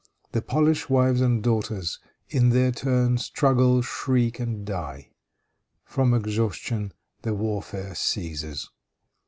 The Polish wives and daughters in their turn struggle, shriek and die. From exhaustion the warfare ceases.